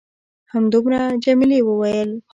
همدومره؟ جميلې وويل:.